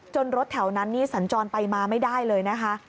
รถแถวนั้นนี่สัญจรไปมาไม่ได้เลยนะคะ